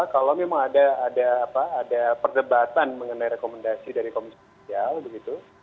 kalau memang ada perdebatan mengenai rekomendasi dari komisi judisial begitu